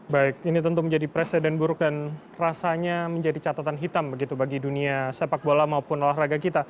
baik ini tentu menjadi presiden buruk dan rasanya menjadi catatan hitam begitu bagi dunia sepak bola maupun olahraga kita